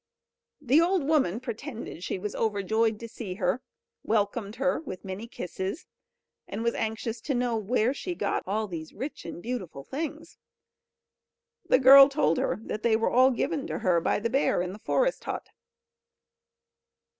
The old woman pretended she was overjoyed to see her, welcomed her with many kisses, and was anxious to know where she got all these rich and beautiful things. The girl told her that they were all given to her by the bear in the forest hut.